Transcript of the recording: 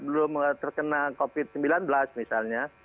belum terkena covid sembilan belas misalnya